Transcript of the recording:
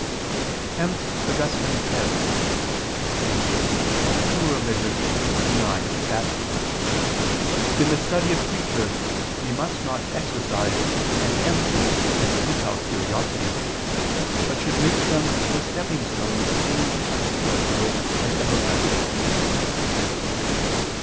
Hence Augustine says (De Vera Relig. xxix) that "in the study of creatures we must not exercise an empty and futile curiosity, but should make them the stepping stone to things unperishable and everlasting."